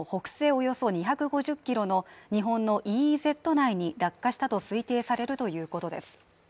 およそ２５０キロの日本のＥＥＺ内に落下したと推定されるということです。